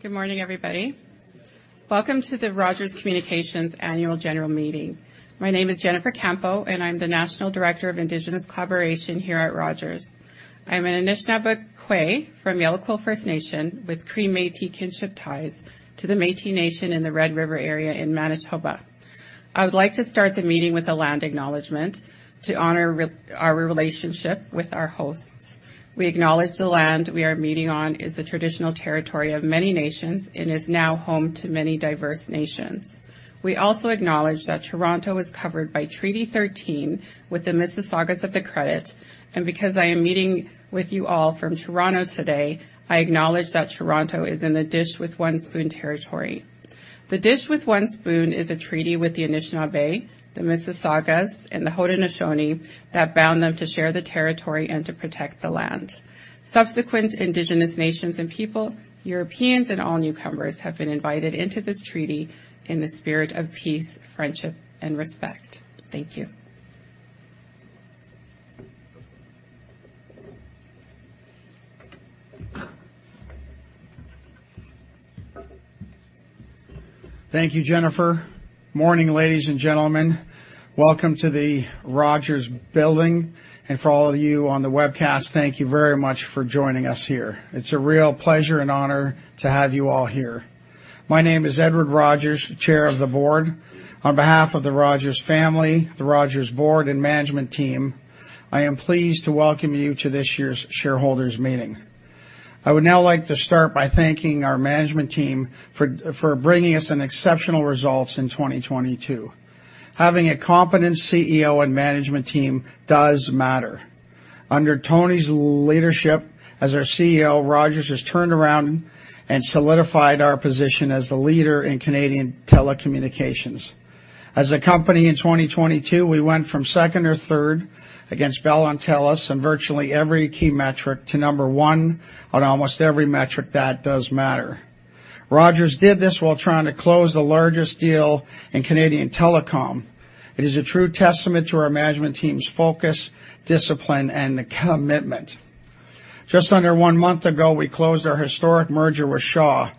Good morning, everybody. Welcome to the Rogers Communications Annual General Meeting. My name is Jennifer Campeau, and I'm the National Director of Indigenous Collaboration here at Rogers. I'm an Anishinaabe Kwe from Yellowquill First Nation, with Cree Métis kinship ties to the Métis Nation in the Red River area in Manitoba. I would like to start the meeting with a land acknowledgment to honor our relationship with our hosts. We acknowledge the land we are meeting on is the traditional territory of many nations and is now home to many diverse nations. We also acknowledge that Toronto is covered by Treaty 13 with the Mississaugas of the Credit, and because I am meeting with you all from Toronto today, I acknowledge that Toronto is in the Dish With One Spoon Territory. The Dish With One Spoon is a treaty with the Anishinaabe, the Mississaugas, and the Haudenosaunee that bound them to share the territory and to protect the land. Subsequent Indigenous nations and people, Europeans and all newcomers, have been invited into this treaty in the spirit of peace, friendship, and respect. Thank you. Thank you, Jennifer. Morning, ladies and gentlemen. Welcome to the Rogers Building, and for all of you on the webcast, thank you very much for joining us here. It's a real pleasure and honor to have you all here. My name is Edward Rogers, Chair of the Board. On behalf of the Rogers family, the Rogers Board, and management team, I am pleased to welcome you to this year's shareholders meeting. I would now like to start by thanking our management team for bringing us exceptional results in 2022. Having a competent CEO and management team does matter. Under Tony's leadership, as our CEO, Rogers has turned around and solidified our position as the leader in Canadian telecommunications. As a company, in 2022, we went from second or third against Bell and TELUS in virtually every key metric to number one on almost every metric that does matter. Rogers did this while trying to close the largest deal in Canadian telecom. It is a true testament to our management team's focus, discipline, and commitment. Just under one month ago, we closed our historic merger with Shaw,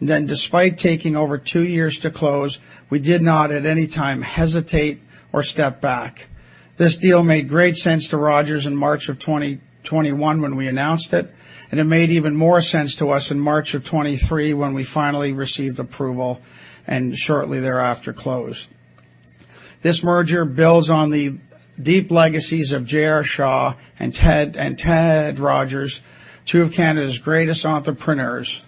and then, despite taking over two years to close, we did not at any time hesitate or step back. This deal made great sense to Rogers in March of 2021 when we announced it, and it made even more sense to us in March of 2023 when we finally received approval and shortly thereafter closed. This merger builds on the deep legacies of J.R. Shaw and Ted Rogers, two of Canada's greatest entrepreneurs.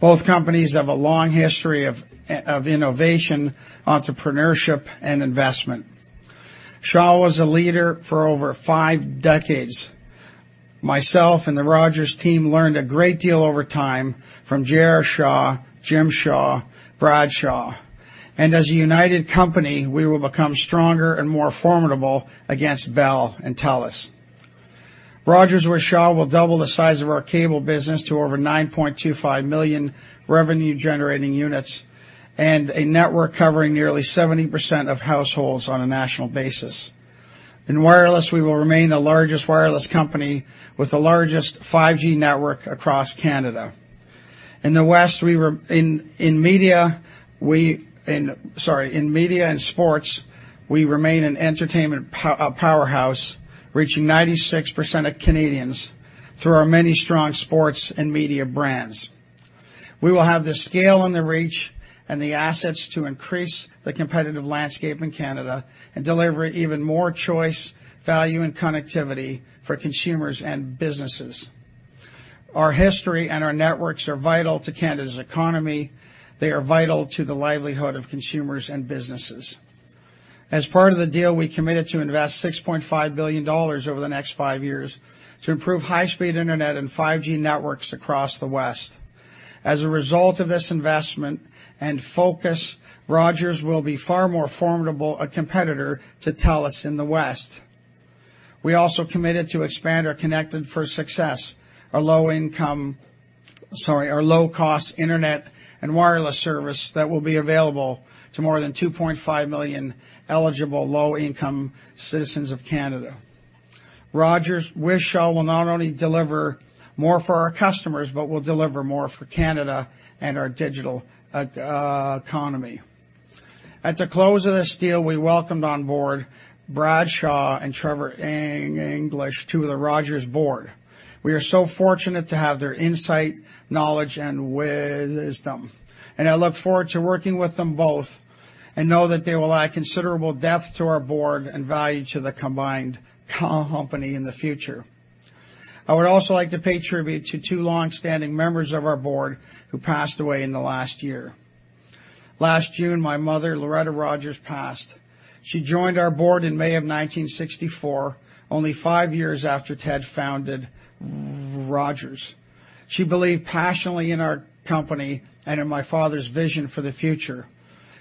Both companies have a long history of innovation, entrepreneurship, and investment. Shaw was a leader for over five decades. Myself and the Rogers team learned a great deal over time from J.R. Shaw, Jim Shaw, Brad Shaw, and as a united company, we will become stronger and more formidable against Bell and TELUS. Rogers with Shaw will double the size of our cable business to over 9.25 million revenue-generating units and a network covering nearly 70% of households on a national basis. In wireless, we will remain the largest wireless company with the largest 5G network across Canada. In the west, we in media and sports, we remain an entertainment powerhouse, reaching 96% of Canadians through our many strong sports and media brands. We will have the scale and the reach and the assets to increase the competitive landscape in Canada and deliver even more choice, value, and connectivity for consumers and businesses. Our history and our networks are vital to Canada's economy. They are vital to the livelihood of consumers and businesses. As part of the deal, we committed to invest 6.5 billion dollars over the next five years to improve high-speed internet and 5G networks across the west. As a result of this investment and focus, Rogers will be far more formidable a competitor to TELUS in the west. We also committed to expand our Connected for Success, our low-income, sorry, our low-cost internet and wireless service that will be available to more than 2.5 million eligible low-income citizens of Canada. Rogers with Shaw will not only deliver more for our customers but will deliver more for Canada and our digital economy. At the close of this deal, we welcomed on board Brad Shaw and Trevor English to the Rogers Board. We are so fortunate to have their insight, knowledge, and wisdom, and I look forward to working with them both and know that they will add considerable depth to our board and value to the combined company in the future. I would also like to pay tribute to two longstanding members of our board who passed away in the last year. Last June, my mother, Loretta Rogers, passed. She joined our board in May of 1964, only five years after TED founded Rogers. She believed passionately in our company and in my father's vision for the future.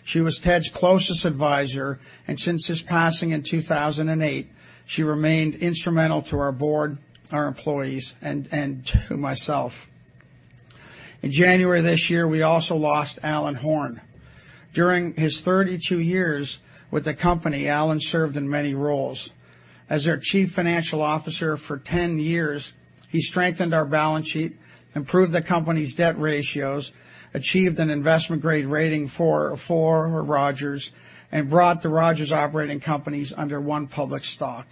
She was TED's closest advisor, and since his passing in 2008, she remained instrumental to our board, our employees, and to myself. In January this year, we also lost Alan Horn. During his 32 years with the company, Alan served in many roles. As our Chief Financial Officer for 10 years, he strengthened our balance sheet, improved the company's debt ratios, achieved an investment-grade rating for Rogers, and brought the Rogers operating companies under one public stock.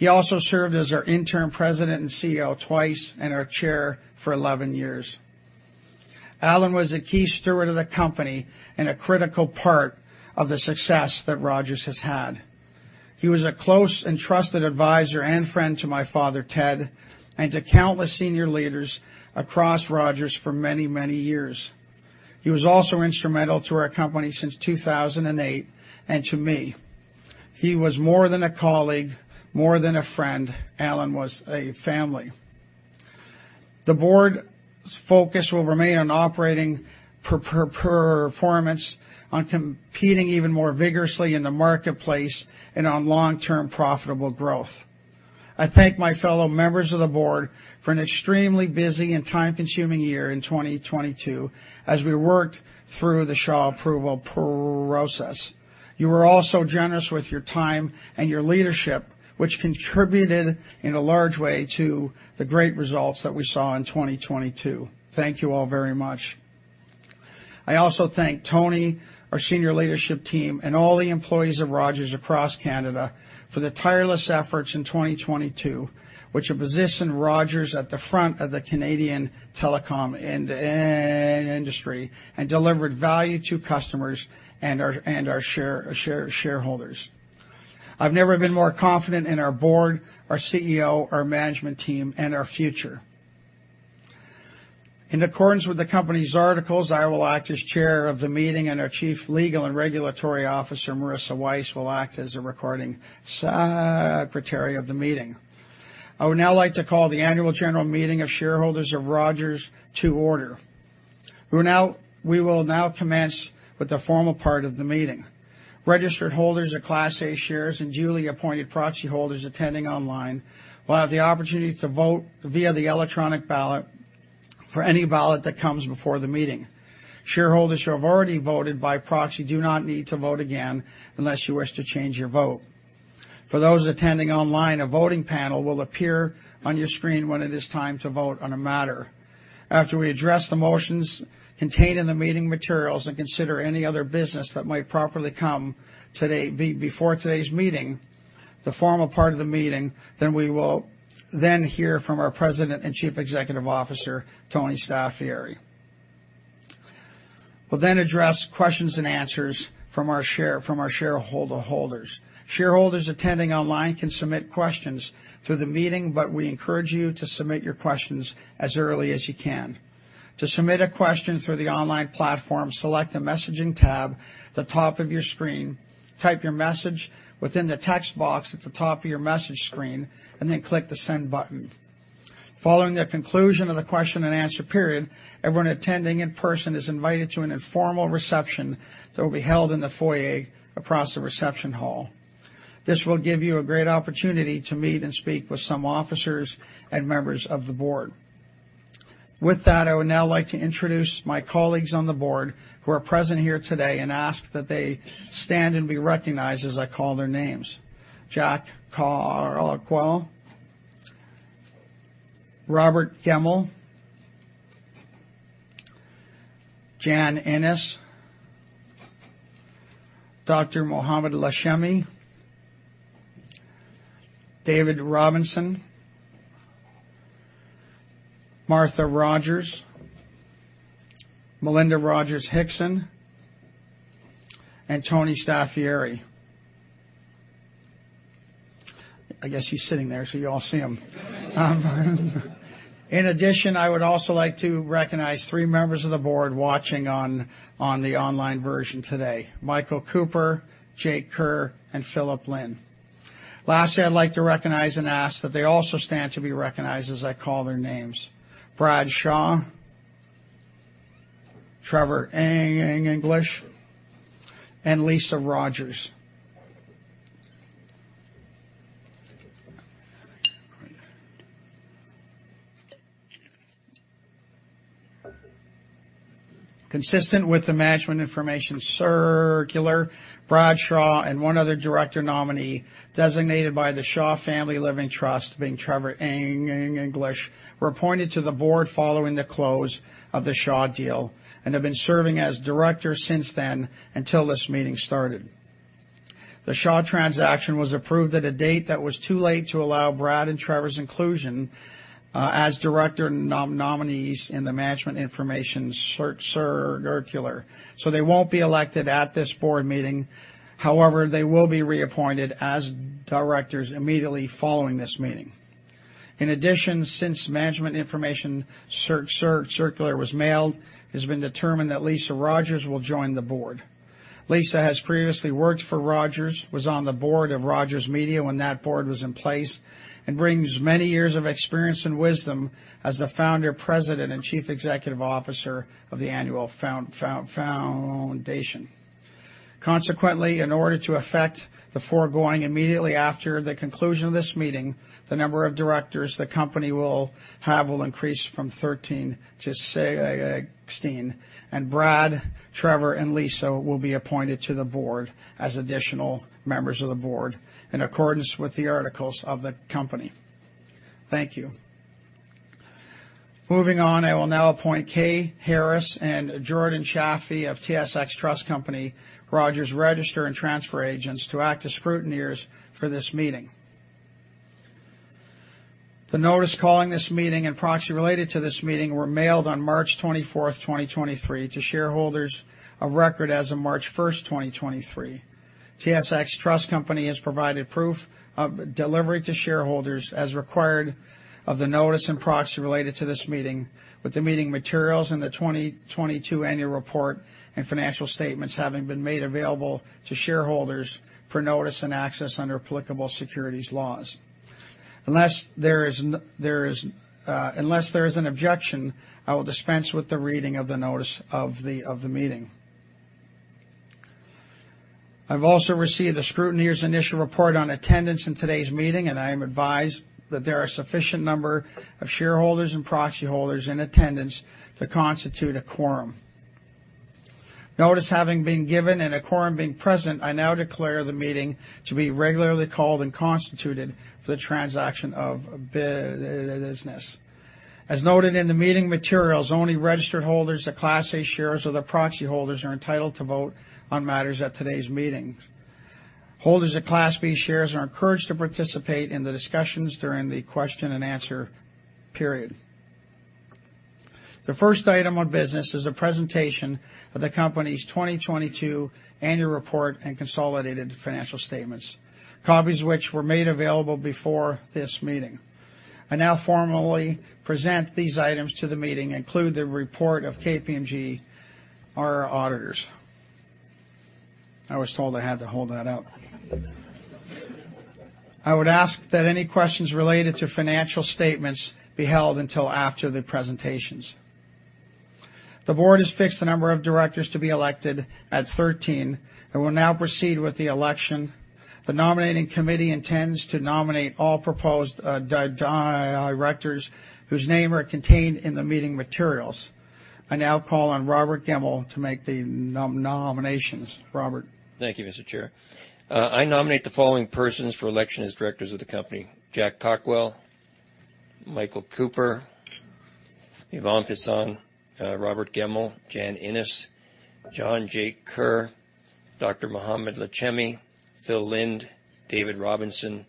He also served as our interim president and CEO twice and our Chair for 11 years. Alan was a key steward of the company and a critical part of the success that Rogers has had. He was a close and trusted advisor and friend to my father, Ted, and to countless senior leaders across Rogers for many, many years. He was also instrumental to our company since 2008 and to me. He was more than a colleague, more than a friend. Alan was a family. The board's focus will remain on operating performance, on competing even more vigorously in the marketplace, and on long-term profitable growth. I thank my fellow members of the board for an extremely busy and time-consuming year in 2022 as we worked through the Shaw approval process. You were also generous with your time and your leadership, which contributed in a large way to the great results that we saw in 2022. Thank you all very much. I also thank Tony, our senior leadership team, and all the employees of Rogers across Canada for the tireless efforts in 2022, which have positioned Rogers at the front of the Canadian telecom industry and delivered value to customers and our shareholders. I've never been more confident in our board, our CEO, our management team, and our future. In accordance with the company's articles, I will act as chair of the meeting, and our Chief Legal and Regulatory Officer, Marisa Wyse, will act as the recording secretary of the meeting. I would now like to call the Annual General Meeting of Shareholders of Rogers to order. We will now commence with the formal part of the meeting. Registered holders of Class A shares and duly appointed proxy holders attending online will have the opportunity to vote via the electronic ballot for any ballot that comes before the meeting. Shareholders who have already voted by proxy do not need to vote again unless you wish to change your vote. For those attending online, a voting panel will appear on your screen when it is time to vote on a matter. After we address the motions contained in the meeting materials and consider any other business that might properly come before today's meeting, the formal part of the meeting, then we will hear from our President and Chief Executive Officer, Tony Staffieri. We'll then address questions and answers from our shareholders. Shareholders attending online can submit questions through the meeting, but we encourage you to submit your questions as early as you can. To submit a question through the online platform, select the messaging tab at the top of your screen, type your message within the text box at the top of your message screen, and then click the send button. Following the conclusion of the question and answer period, everyone attending in person is invited to an informal reception that will be held in the foyer across the reception hall. This will give you a great opportunity to meet and speak with some officers and members of the board. With that, I would now like to introduce my colleagues on the board who are present here today and ask that they stand and be recognized as I call their names: Jack Cockwell, Robert Gemmell, Jan Innes, Dr. Mohamed Lachemi, David Robinson, Martha Rogers, Melinda Rogers-Hixon, and Tony Staffieri. I guess he's sitting there so you all see him. In addition, I would also like to recognize three members of the board watching on the online version today: Michael Cooper, Jake Kerr, and Philip Lind. Lastly, I'd like to recognize and ask that they also stand to be recognized as I call their names: Brad Shaw, Trevor English, and Lisa Rogers. Consistent with the Management Information Circular, Brad Shaw and one other director nominee designated by the Shaw Family Living Trust, being Trevor English, were appointed to the board following the close of the Shaw deal and have been serving as directors since then until this meeting started. The Shaw transaction was approved at a date that was too late to allow Brad and Trevor's inclusion as director nominees in the Management Information Circular, so they won't be elected at this Board meeting. However, they will be reappointed as directors immediately following this meeting. In addition, since the Management Information Circular was mailed, it has been determined that Lisa Rogers will join the Board. Lisa has previously worked for Rogers, was on the board of Rogers Media when that board was in place, and brings many years of experience and wisdom as the founder, president, and Chief Executive Officer of the Annual Foundation. Consequently, in order to affect the foregoing immediately after the conclusion of this meeting, the number of directors the company will have will increase from 13 to 16, and Brad, Trevor, and Lisa will be appointed to the board as additional members of the board in accordance with the articles of the company. Thank you. Moving on, I will now appoint Kay Harris and Jordan Chaffee of TSX Trust Company, Rogers registrar and transfer agent, to act as scrutineers for this meeting. The notice calling this meeting and proxy related to this meeting were mailed on March 24th, 2023, to shareholders of record as of March 1st, 2023. TSX Trust Company has provided proof of delivery to shareholders as required of the notice and proxy related to this meeting, with the meeting materials and the 2022 annual report and financial statements having been made available to shareholders for notice and access under applicable securities laws. Unless there is an objection, I will dispense with the reading of the notice of the meeting. I've also received a scrutineer's initial report on attendance in today's meeting, and I am advised that there are a sufficient number of shareholders and proxy holders in attendance to constitute a quorum. Notice having been given and a quorum being present, I now declare the meeting to be regularly called and constituted for the transaction of business. As noted in the meeting materials, only registered holders of Class A Shares or the proxy holders are entitled to vote on matters at today's meeting. Holders of Class B shares are encouraged to participate in the discussions during the question and answer period. The first item on business is the presentation of the company's 2022 annual report and consolidated financial statements, copies of which were made available before this meeting. I now formally present these items to the meeting, including the report of KPMG, our auditors. I was told I had to hold that out. I would ask that any questions related to financial statements be held until after the presentations. The board has fixed the number of directors to be elected at 13 and will now proceed with the election. The nominating committee intends to nominate all proposed directors whose names are contained in the meeting materials. I now call on Robert Gemmell to make the nominations. Robert. Thank you, Mr. Chair. I nominate the following persons for election as directors of the company: Jack Cockwell, Michael Cooper, Ivan Fecan, Robert Gemmell, Jan Innes, Jake Kerr, Dr. Mohamed Lachemi, Phil Lind, David Robinson,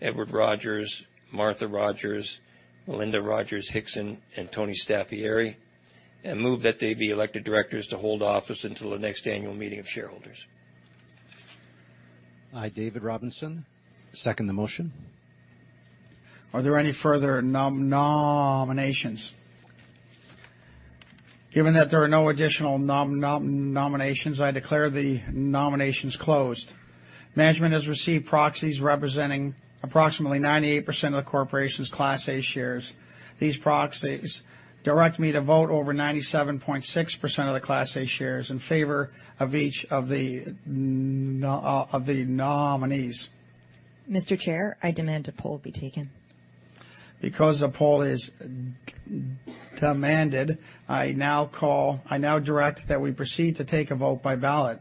Edward Rogers, Martha Rogers, Melinda Rogers-Hixon, and Tony Staffieri, and move that they be elected directors to hold office until the next annual meeting of shareholders. I David Robinson. Second the motion. Are there any further nominations? Given that there are no additional nominations, I declare the nominations closed. Management has received proxies representing approximately 98% of the corporation's Class A shares. These proxies direct me to vote over 97.6% of the Class A shares in favor of each of the nominees. Mr. Chair, I demand a poll be taken. Because a poll is demanded, I now direct that we proceed to take a vote by ballot.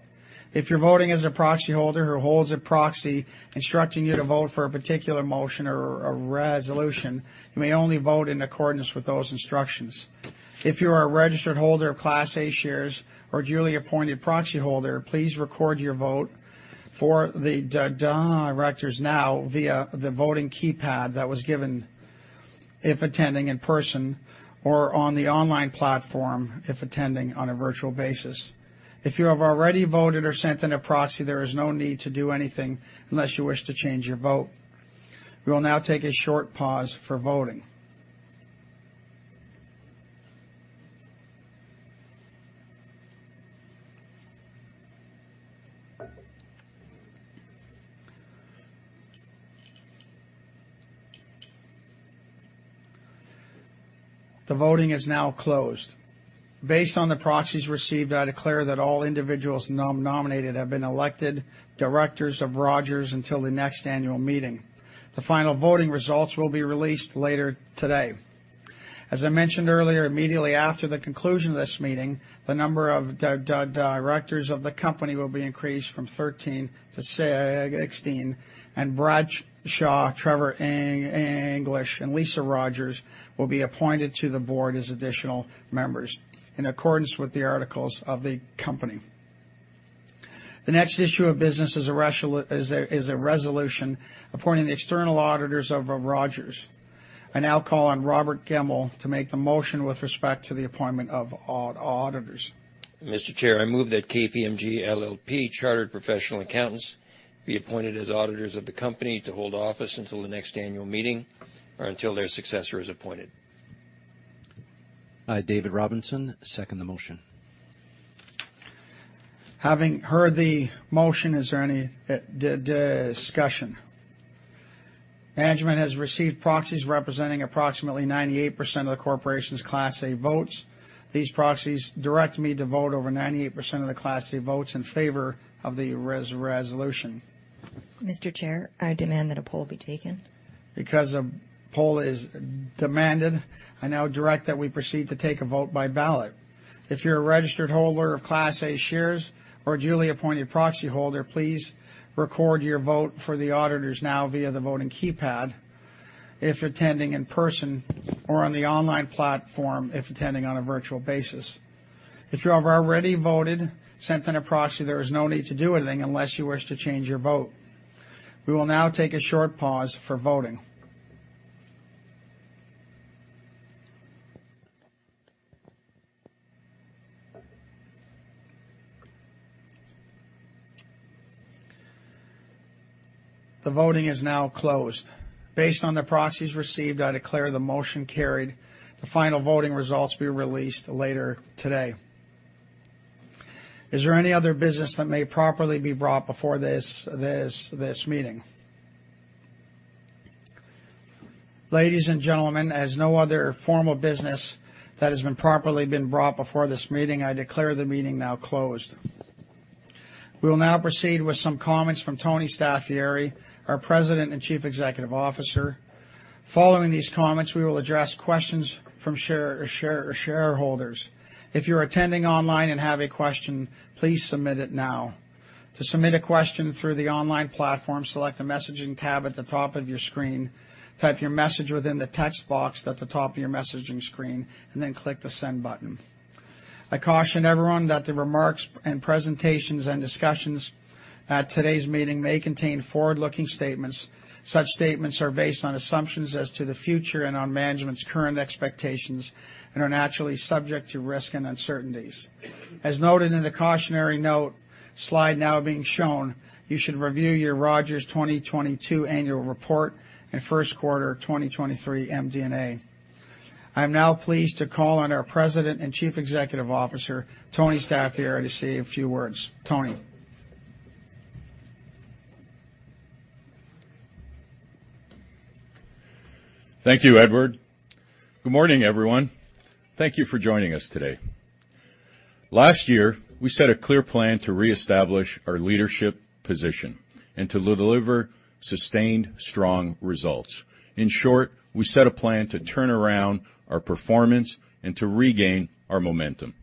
If you're voting as a proxy holder who holds a proxy instructing you to vote for a particular motion or a resolution, you may only vote in accordance with those instructions. If you are a registered holder of Class A Shares or duly appointed proxy holder, please record your vote for the directors now via the voting keypad that was given if attending in person or on the online platform if attending on a virtual basis. If you have already voted or sent in a proxy, there is no need to do anything unless you wish to change your vote. We will now take a short pause for voting. The voting is now closed. Based on the proxies received, I declare that all individuals nominated have been elected directors of Rogers until the next annual meeting. The final voting results will be released later today. As I mentioned earlier, immediately after the conclusion of this meeting, the number of directors of the company will be increased from 13 to 16, and Brad Shaw, Trevor English, and Lisa Rogers will be appointed to the board as additional members in accordance with the articles of the company. The next issue of business is a resolution appointing the external auditors of Rogers. I now call on Robert Gemmell to make the motion with respect to the appointment of auditors. Mr. Chair, I move that KPMG LLP Chartered Professional Accountants be appointed as auditors of the company to hold office until the next annual meeting or until their successor is appointed. I David Robinson. Second the motion. Having heard the motion, is there any discussion? Management has received proxies representing approximately 98% of the corporation's Class A votes. These proxies direct me to vote over 98% of the Class A votes in favor of the resolution. Mr. Chair, I demand that a poll be taken. Because a poll is demanded, I now direct that we proceed to take a vote by ballot. If you're a registered holder of Class A shares or duly appointed proxy holder, please record your vote for the auditors now via the voting keypad if attending in person or on the online platform if attending on a virtual basis. If you have already voted, sent in a proxy, there is no need to do anything unless you wish to change your vote. We will now take a short pause for voting. The voting is now closed. Based on the proxies received, I declare the motion carried. The final voting results will be released later today. Is there any other business that may properly be brought before this meeting? Ladies and gentlemen, as no other formal business that has been properly brought before this meeting, I declare the meeting now closed. We will now proceed with some comments from Tony Staffieri, our President and Chief Executive Officer. Following these comments, we will address questions from shareholders. If you're attending online and have a question, please submit it now. To submit a question through the online platform, select the messaging tab at the top of your screen, type your message within the text box at the top of your messaging screen, and then click the send button. I caution everyone that the remarks and presentations and discussions at today's meeting may contain forward-looking statements. Such statements are based on assumptions as to the future and on management's current expectations and are naturally subject to risk and uncertainties. As noted in the cautionary note slide now being shown, you should review your Rogers 2022 annual report and first quarter 2023 MD&A. I am now pleased to call on our President and Chief Executive Officer, Tony Staffieri, to say a few words. Tony. Thank you, Edward. Good morning, everyone. Thank you for joining us today. Last year, we set a clear plan to reestablish our leadership position and to deliver sustained, strong results. In short, we set a plan to turn around our performance and to regain our momentum.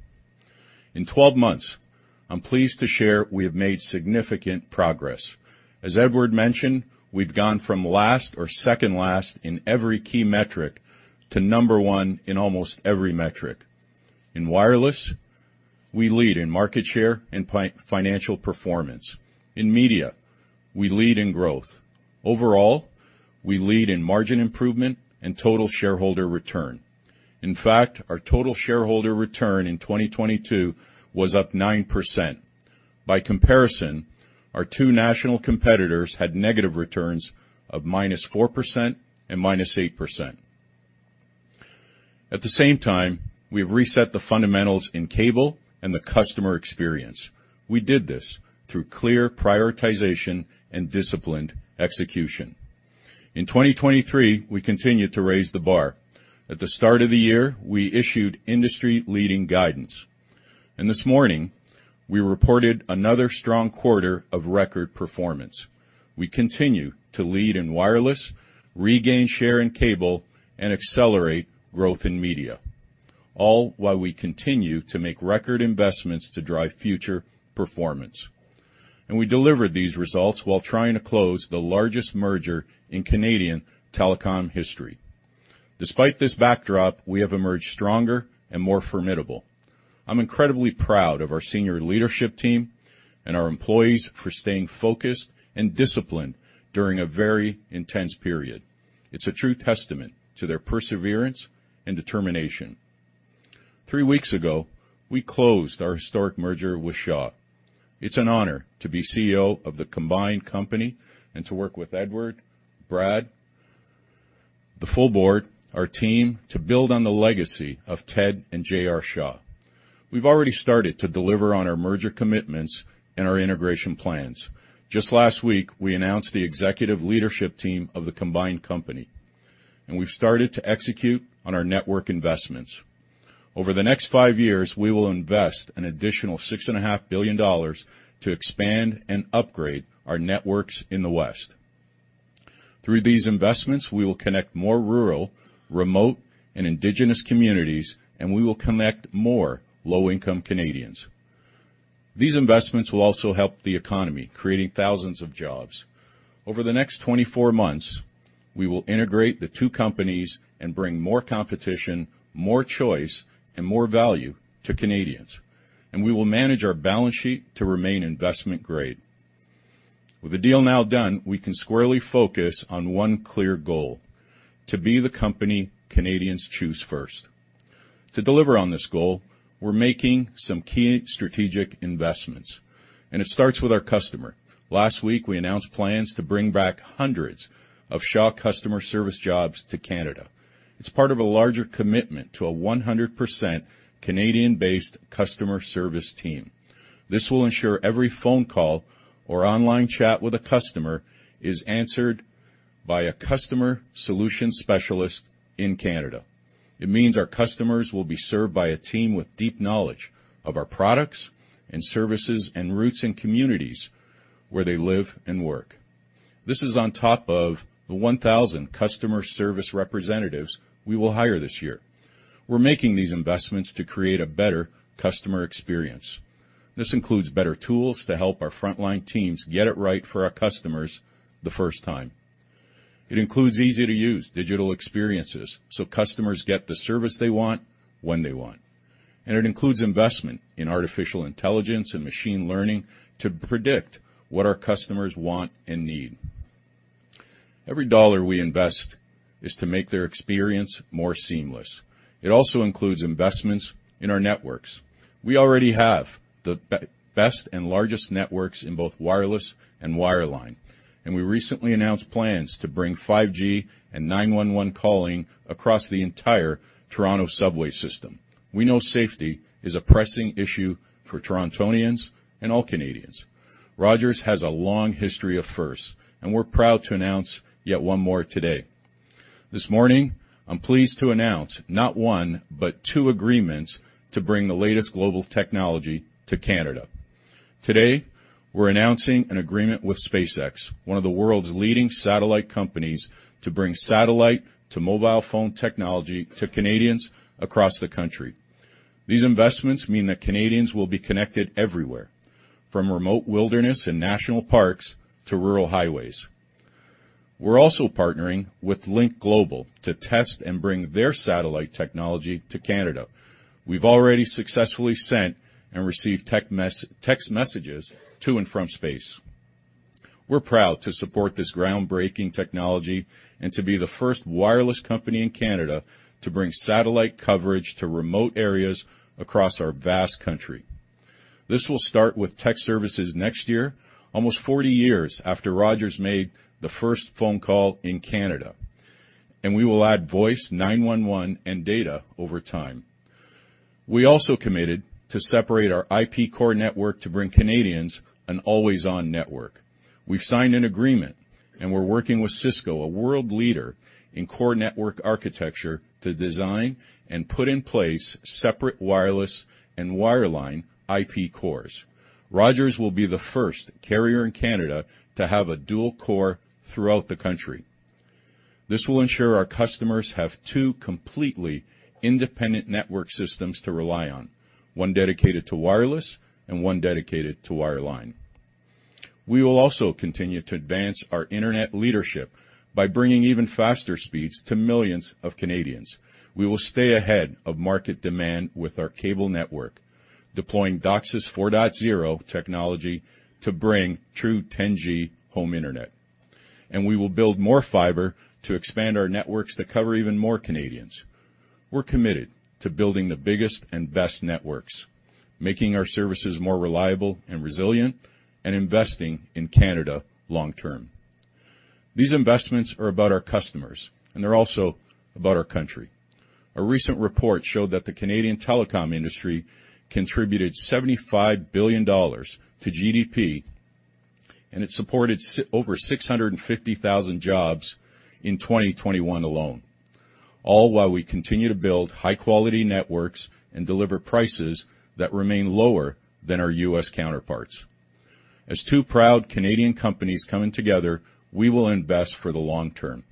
In 12 months, I'm pleased to share we have made significant progress. As Edward mentioned, we've gone from last or second last in every key metric to number one in almost every metric. In wireless, we lead in market share and financial performance. In media, we lead in growth. Overall, we lead in margin improvement and total shareholder return. In fact, our total shareholder return in 2022 was up 9%. By comparison, our two national competitors had negative returns of minus 4% and minus 8%. At the same time, we have reset the fundamentals in cable and the customer experience. We did this through clear prioritization and disciplined execution. In 2023, we continued to raise the bar. At the start of the year, we issued industry-leading guidance. And this morning, we reported another strong quarter of record performance. We continue to lead in wireless, regain share in cable, and accelerate growth in media, all while we continue to make record investments to drive future performance. And we delivered these results while trying to close the largest merger in Canadian telecom history. Despite this backdrop, we have emerged stronger and more formidable. I'm incredibly proud of our senior leadership team and our employees for staying focused and disciplined during a very intense period. It's a true testament to their perseverance and determination. Three weeks ago, we closed our historic merger with Shaw. It's an honor to be CEO of the combined company and to work with Edward, Brad, the full board, our team to build on the legacy of Ted and J.R. Shaw. We've already started to deliver on our merger commitments and our integration plans. Just last week, we announced the executive leadership team of the combined company, and we've started to execute on our network investments. Over the next five years, we will invest an additional 6.5 billion dollars to expand and upgrade our networks in the West. Through these investments, we will connect more rural, remote, and indigenous communities, and we will connect more low-income Canadians. These investments will also help the economy, creating thousands of jobs. Over the next 24 months, we will integrate the two companies and bring more competition, more choice, and more value to Canadians, and we will manage our balance sheet to remain investment-grade. With the deal now done, we can squarely focus on one clear goal: to be the company Canadians choose first. To deliver on this goal, we're making some key strategic investments, and it starts with our customer. Last week, we announced plans to bring back hundreds of Shaw customer service jobs to Canada. It's part of a larger commitment to a 100% Canadian-based customer service team. This will ensure every phone call or online chat with a customer is answered by a customer solution specialist in Canada. It means our customers will be served by a team with deep knowledge of our products and services and roots in communities where they live and work. This is on top of the 1,000 customer service representatives we will hire this year. We're making these investments to create a better customer experience. This includes better tools to help our frontline teams get it right for our customers the first time. It includes easy-to-use digital experiences so customers get the service they want when they want. And it includes investment in artificial intelligence and machine learning to predict what our customers want and need. Every dollar we invest is to make their experience more seamless. It also includes investments in our networks. We already have the best and largest networks in both wireless and wireline, and we recently announced plans to bring 5G and 911 calling across the entire Toronto subway system. We know safety is a pressing issue for Torontonians and all Canadians. Rogers has a long history of firsts, and we're proud to announce yet one more today. This morning, I'm pleased to announce not one, but two agreements to bring the latest global technology to Canada. Today, we're announcing an agreement with SpaceX, one of the world's leading satellite companies, to bring satellite to mobile phone technology to Canadians across the country. These investments mean that Canadians will be connected everywhere, from remote wilderness and national parks to rural highways. We're also partnering with Lynk Global to test and bring their satellite technology to Canada. We've already successfully sent and received text messages to and from space. We're proud to support this groundbreaking technology and to be the first wireless company in Canada to bring satellite coverage to remote areas across our vast country. This will start with text services next year, almost 40 years after Rogers made the first phone call in Canada. We will add voice, 911, and data over time. We also committed to separate our IP core network to bring Canadians an always-on network. We've signed an agreement, and we're working with Cisco, a world leader in core network architecture, to design and put in place separate wireless and wireline IP cores. Rogers will be the first carrier in Canada to have a dual core throughout the country. This will ensure our customers have two completely independent network systems to rely on, one dedicated to wireless and one dedicated to wireline. We will also continue to advance our internet leadership by bringing even faster speeds to millions of Canadians. We will stay ahead of market demand with our cable network, deploying DOCSIS 4.0 technology to bring true 10G home internet, and we will build more fiber to expand our networks to cover even more Canadians. We're committed to building the biggest and best networks, making our services more reliable and resilient, and investing in Canada long-term. These investments are about our customers, and they're also about our country. A recent report showed that the Canadian telecom industry contributed 75 billion dollars to GDP, and it supported over 650,000 jobs in 2021 alone, all while we continue to build high-quality networks and deliver prices that remain lower than our U.S. counterparts. As two proud Canadian companies coming together, we will invest for the long term.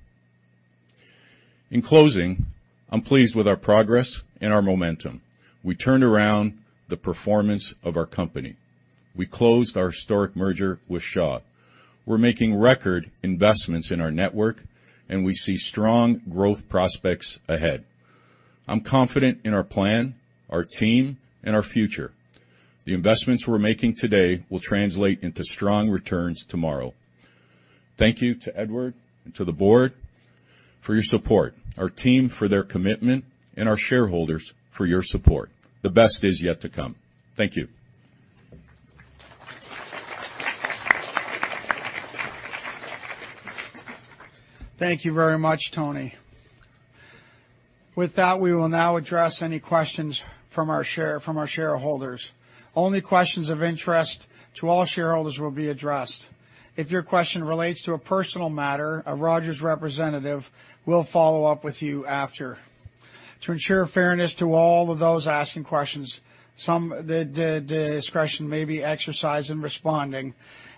In closing, I'm pleased with our progress and our momentum. We turned around the performance of our company. We closed our historic merger with Shaw. We're making record investments in our network, and we see strong growth prospects ahead. I'm confident in our plan, our team, and our future. The investments we're making today will translate into strong returns tomorrow. Thank you to Edward and to the board for your support, our team for their commitment, and our shareholders for your support. The best is yet to come. Thank you. Thank you very much, Tony. With that, we will now address any questions from our shareholders. Only questions of interest to all shareholders will be addressed. If your question relates to a personal matter, a Rogers representative will follow up with you after. To ensure fairness to all of those asking questions, some discretion may be exercised in responding,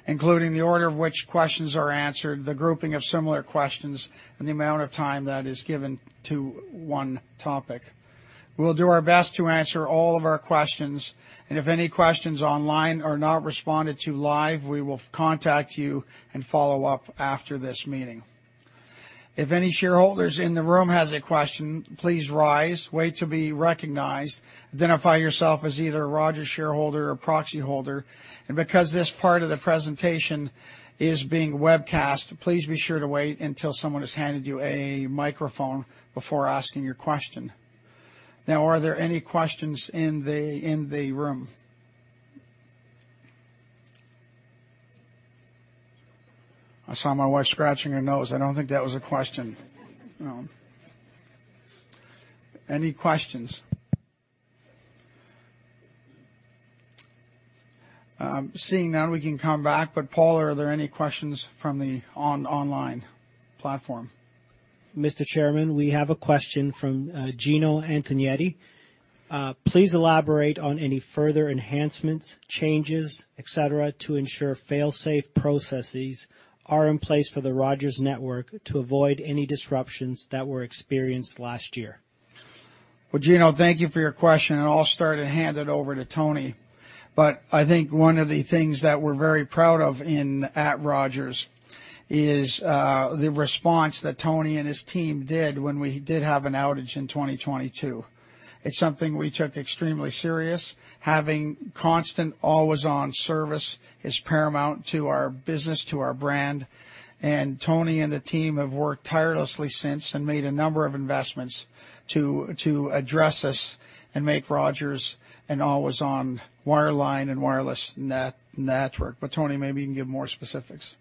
including the order of which questions are answered, the grouping of similar questions, and the amount of time that is given to one topic. We'll do our best to answer all of our questions. And if any questions online are not responded to live, we will contact you and follow up after this meeting. If any shareholders in the room have a question, please rise, wait to be recognized, identify yourself as either a Rogers shareholder or proxy holder. And because this part of the presentation is being webcast, please be sure to wait until someone has handed you a microphone before asking your question. Now, are there any questions in the room? I saw my wife scratching her nose. I don't think that was a question. No. Any questions? Seeing none, we can come back. But Paul, are there any questions from the online platform? Mr. Chairman, we have a question from Gino Antonietti. Please elaborate on any further enhancements, changes, etc., to ensure fail-safe processes are in place for the Rogers network to avoid any disruptions that were experienced last year. Well, Gino, thank you for your question. And I'll start and hand it over to Tony. But I think one of the things that we're very proud of at Rogers is the response that Tony and his team did when we did have an outage in 2022. It's something we took extremely serious. Having constant always-on service is paramount to our business, to our brand. And Tony and the team have worked tirelessly since and made a number of investments to address this and make Rogers an always-on wireline and wireless network. But Tony, maybe you can give more specifics.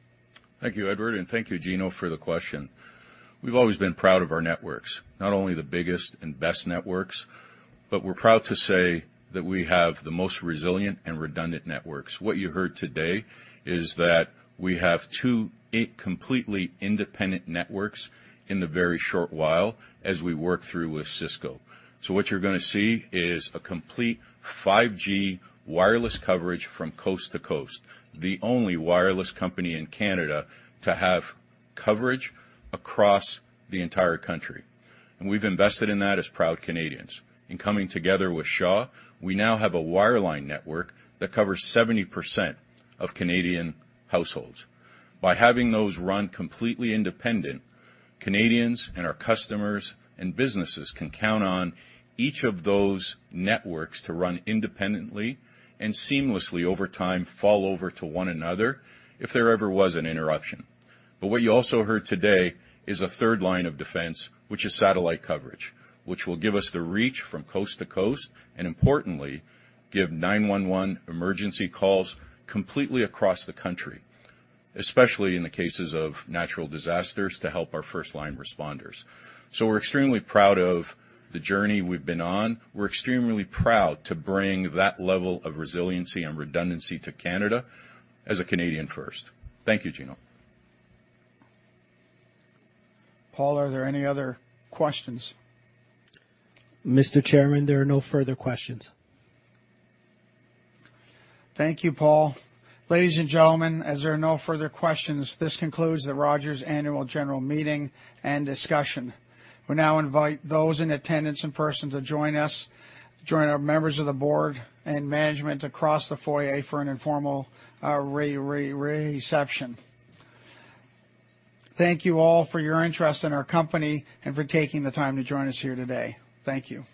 Thank you, Edward. And thank you, Gino, for the question. We've always been proud of our networks, not only the biggest and best networks, but we're proud to say that we have the most resilient and redundant networks. What you heard today is that we have two completely independent networks in the very short while as we work through with Cisco. So what you're going to see is a complete 5G wireless coverage from coast to coast, the only wireless company in Canada to have coverage across the entire country. And we've invested in that as proud Canadians. In coming together with Shaw, we now have a wireline network that covers 70% of Canadian households. By having those run completely independently, Canadians and our customers and businesses can count on each of those networks to run independently and seamlessly over time, fail over to one another if there ever was an interruption. But what you also heard today is a third line of defense, which is satellite coverage, which will give us the reach from coast to coast and, importantly, give 911 emergency calls completely across the country, especially in the cases of natural disasters, to help our first-line responders. So we're extremely proud of the journey we've been on. We're extremely proud to bring that level of resiliency and redundancy to Canada as a Canadian first. Thank you, Gino. Paul, are there any other questions? Mr. Chairman, there are no further questions. Thank you, Paul. Ladies and gentlemen, as there are no further questions, this concludes the Rogers Annual General Meeting and discussion. We now invite those in attendance in person to join us, join our members of the board and management across the foyer for an informal reception. Thank you all for your interest in our company and for taking the time to join us here today. Thank you.